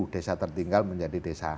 desa tertinggal menjadi desa